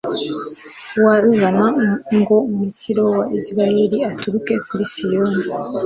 uwazana ngo umukiro wa israheli uturuke kuri siyoni